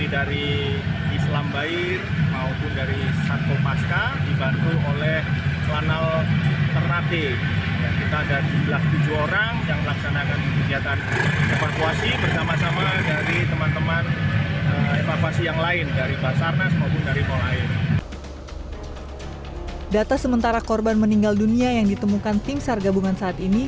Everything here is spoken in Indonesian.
data sementara korban meninggal dunia yang ditemukan tim sar gabungan saat ini